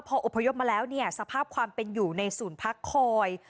พออบพยพมาแล้วเนี่ยสภาพความเป็นอยู่ในศูนย์พักคอย